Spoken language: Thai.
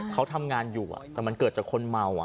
เขาทำงานอยู่แต่มันเกิดจากคนเมา